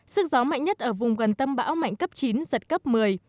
sức gió mạnh nhất ở vùng gần tâm bão mạnh cấp chín giật cấp một mươi